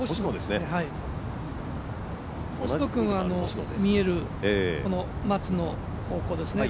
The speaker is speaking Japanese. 星野君は見える松の方向ですね